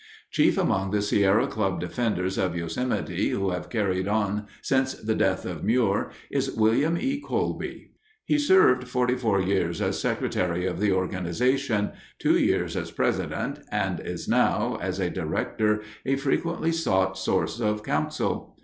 Chief among the Sierra Club defenders of Yosemite who have carried on since the death of Muir is William E. Colby. He served forty four years as secretary of the organization, two years as president, and is now, as a director, a frequently sought source of counsel.